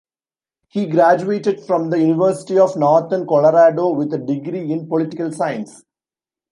He graduated from the University of Northern Colorado with a degree in political science.